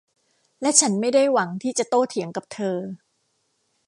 และฉันไม่ได้หวังที่จะโต้เถียงกับเธอ